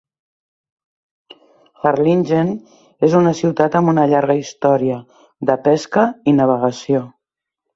Harlingen és una ciutat amb una llarga història de pesca i navegació.